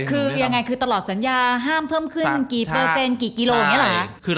ว่าต้องใช้คุณบริการแบบค่ะคือตลอดสัญญาห้ามเพิ่มขึ้นกี่เปอร์เซ็นต์กี่กิโลเหรอ